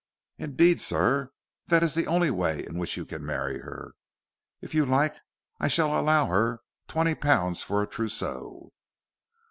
"Indeed, sir, that is the only way in which you can marry her. If you like I shall allow her twenty pounds for a trousseau."